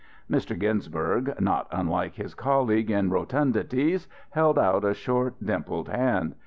Mr. Ginsberg, not unlike his colleague in rotundities, held out a short, a dimpled hand.